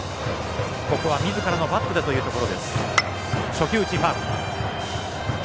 みずからのバットでというところ。